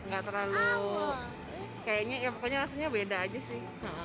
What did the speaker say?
gak terlalu kayaknya ya pokoknya rasanya beda aja sih